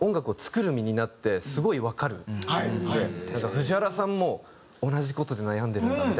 藤原さんも同じ事で悩んでるんだみたいな。